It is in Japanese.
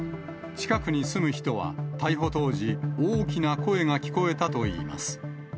近くに住む人は、逮捕当時、大きな声が聞こえたといいます。